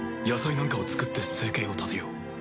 野菜なんかを作って生計を立てよう。